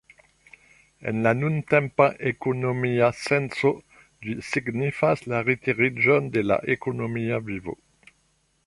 En la nuntempa ekonomia senco, ĝi signifas la retiriĝon de la ekonomia vivo.